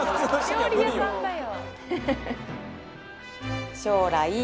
「お料理屋さんだよ」